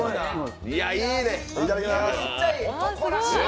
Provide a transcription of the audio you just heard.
いただきまーす。